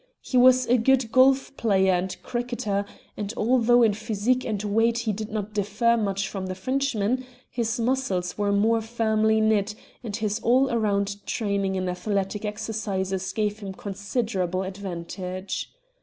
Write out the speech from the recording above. He was a good golf player and cricketer, and although in physique and weight he did not differ much from the Frenchman, his muscles were more firmly knit, and his all round training in athletic exercises gave him considerable advantage.